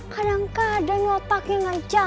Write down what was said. kadang kadang otaknya gak jalan